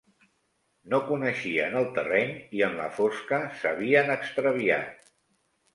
No coneixien el terreny i en la fosca s'havien extraviat